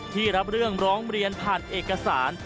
รับเรื่องร้องเรียนผ่านเอกสาร